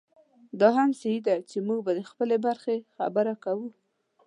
دا هم صحي ده چې موږ به د خپلې برخې خبره کوو.